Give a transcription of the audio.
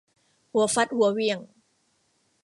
หัวฟัดหัวเหวี่ยง